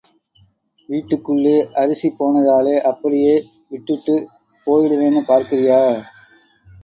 வீட்டுக்குள்ளே அரிசி போனதாலே அப்படியே, விட்டுட்டுப் போயிடுவேன்னு பார்க்குறியா?